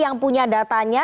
yang punya datanya